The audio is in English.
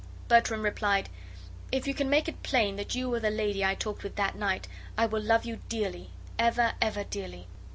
Bertram replied, "If you can make it plain that you were the lady I talked with that night I will love you dearly, ever, ever dearly."